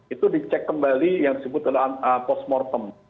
itu dicek kembali yang disebut adalah post mortem